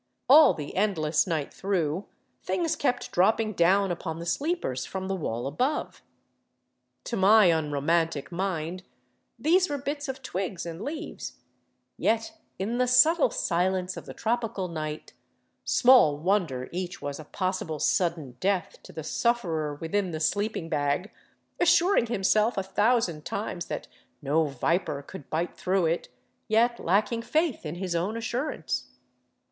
All the endless night through things kept dropping down upon the sleepers from the wall above. To my unromantic mind these were bits of twigs and leaves, yet in the subtle silence of the tropical night small wonder 478 A FORGOTTEN CITY OF THE ANDES each was a possible sudden death to the sufferer within the sleeping bag, assuring himself a thousand times that no viper could bite through it, yet lacking faith in his own assurance.